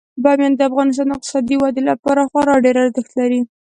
بامیان د افغانستان د اقتصادي ودې لپاره خورا ډیر ارزښت لري.